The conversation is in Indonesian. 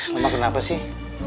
mama kenapa sih